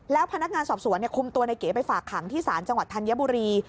แล้วพนักงานสอบสวนคุมตัวในเก๋ไปฝากขังที่ศาลจังหวัดธัญบุรี